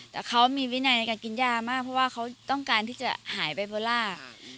แต่เขามีวินัยในการกินยามากเพราะว่าเขาต้องการที่จะหายไบโพล่า